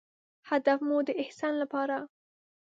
هدف مو د احسان لپاره